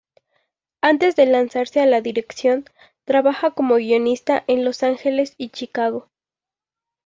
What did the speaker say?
Antes de lanzarse a la dirección, trabaja como guionista en Los Ángeles y Chicago.